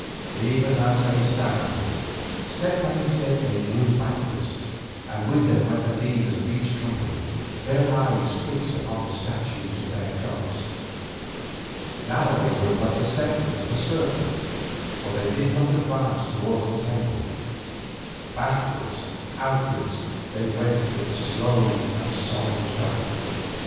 Ever as they sang, step by step they drew backwards, and with them went the leaders of each company, their eyes fixed upon the statues of their gods. Now they were but a segment of a circle, for they did not advance towards the temple; backward and outward they went with a slow and solemn tramp.